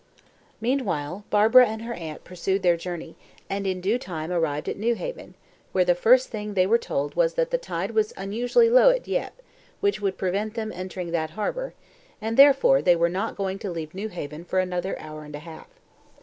Meanwhile, Barbara and her aunt pursued their journey, and in due time arrived at Newhaven, where the first thing they were told was that the tide was unusually low at Dieppe, which would prevent them entering that harbour, and therefore they were not going to leave Newhaven for another hour and a half.